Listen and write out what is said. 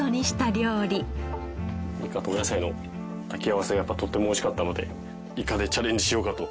イカとお野菜の炊き合わせがとてもおいしかったのでイカでチャレンジしようかと。